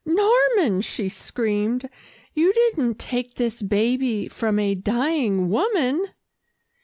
"Norman," she screamed, "you didn't take this baby from a dying woman!"